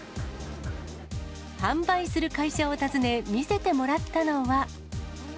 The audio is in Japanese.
販売する会社を訪ね、見せてもらったのは。